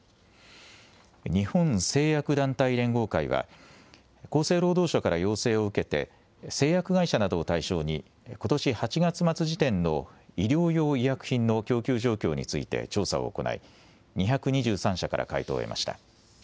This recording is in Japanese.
日本製薬団体連合会は厚生労働省から要請を受けて製薬会社などを対象にことし８月末時点の医療用医薬品の供給状況について調査を行い２２３社から回答を得ました。